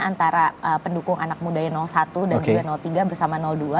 antara pendukung anak muda yang satu dan juga tiga